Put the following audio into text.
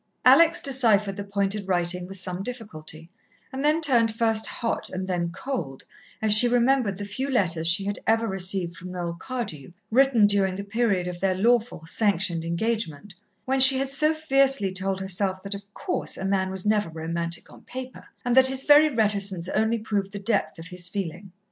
Alex deciphered the pointed writing with some difficulty, and then turned first hot and then cold, as she remembered the few letters she had ever received from Noel Cardew, written during the period of their lawful, sanctioned engagement, when she had so fiercely told herself that, of course, a man was never romantic on paper, and that his very reticence only proved the depth of his feeling.